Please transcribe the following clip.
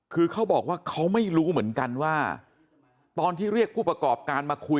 คือเขาบอกว่าเขาไม่รู้เหมือนกันว่าตอนที่เรียกผู้ประกอบการมาคุย